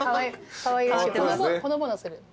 ほのぼのする。